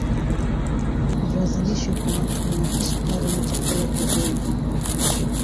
viazi lishe kwa watu wenye kisukari ni chakula kizuri